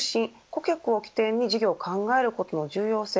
顧客を起点に事業を考えることの重要性。